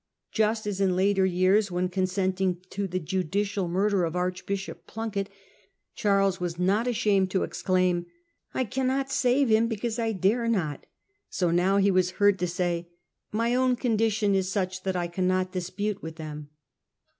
Just as in later years, when consenting to the judicial murder of Archbishop Plunket, Charles was not ashamed to ex claim, ' I cannot save him because I dare not,' so now he was heard to say, 1 My own condition is such that I cannot dispute with them.